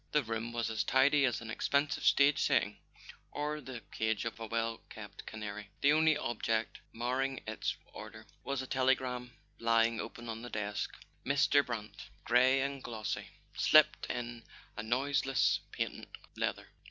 The room was as tidy as an expensive stage setting or the cage of a well kept canary: the only object marring its order was a telegram lying open on the desk. Mr. Brant, grey and glossy, slipped in on noiseless patent leather.